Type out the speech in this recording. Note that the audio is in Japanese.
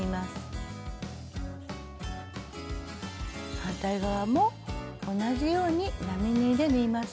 反対側も同じように並縫いで縫います。